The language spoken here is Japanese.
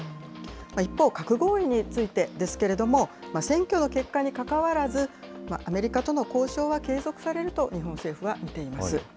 一方、核合意についてですけれども、選挙の結果にかかわらず、アメリカとの交渉は継続されると、日本政府は見ています。